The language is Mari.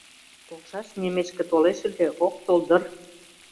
Толшаш немешке толеш ыле, ок тол дыр.